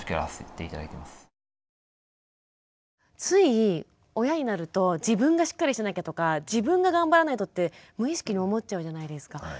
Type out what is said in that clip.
つい親になると自分がしっかりしなきゃとか自分が頑張らないとって無意識に思っちゃうじゃないですか。